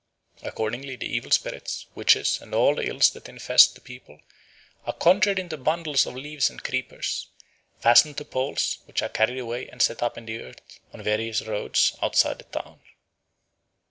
Accordingly the evil spirits, witches, and all the ills that infest the people are conjured into bundles of leaves and creepers, fastened to poles, which are carried away and set up in the earth on various roads outside the town.